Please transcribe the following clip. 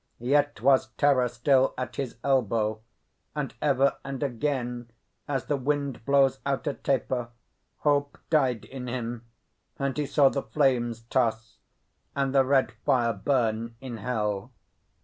Yet was terror still at his elbow; and ever and again, as the wind blows out a taper, hope died in him, and he saw the flames toss and the red fire burn in hell.